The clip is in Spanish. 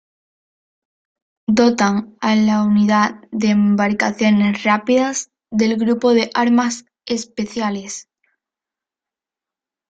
Dotan a la Unidad de Embarcaciones Rápidas del Grupo de Armas Especiales.